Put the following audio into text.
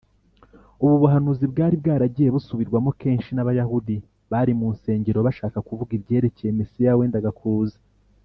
ubu buhanuzi bwari bwaragiye busubirwamo kenshi n’abayahudi bari mu nsengero bashaka kuvuga ibyerekeye mesiya wendaga kuza